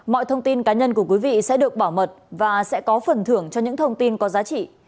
mọi thông tin cá nhân của quý vị sẽ được bảo mật và sẽ có phần thưởng cho những thông tin có giá trị